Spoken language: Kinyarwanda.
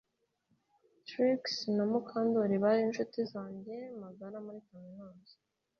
Trix na Mukandoli bari inshuti zanjye magara muri kaminuza